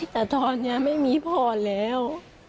แต่ตอนนี้ไม่มีพ่อแล้ว